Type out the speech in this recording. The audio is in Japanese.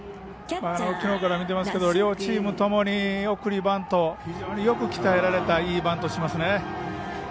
きのうから見てますけど両チームともに送りバントよく鍛えられたいいバントしますよね。